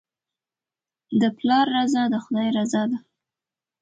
د پلار رضا د خدای رضا ده.